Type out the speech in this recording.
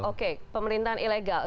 oke pemerintahan ilegal